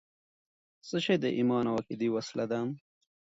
څه شی د ایمان او عقیدې وسله ده؟